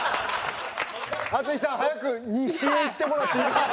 淳さん早く西へ行ってもらっていいですか？